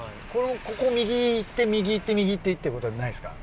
ここ右に行って右行って右行ってってことはないですか？